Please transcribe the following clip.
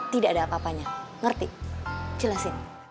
tidak ada apa apanya ngerti jelasin